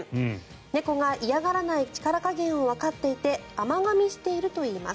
猫が嫌がらない力加減をわかっていて甘がみしているといいます。